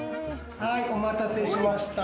お待たせしました。